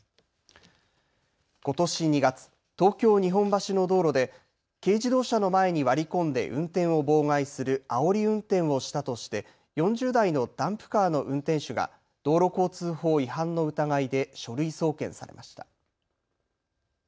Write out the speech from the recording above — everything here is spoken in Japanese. ことし２月、東京日本橋の道路で軽自動車の前に割り込んで運転を妨害するあおり運転をしたとして４０代のダンプカーの運転手が道路交通法違反の疑いで書類送検されました。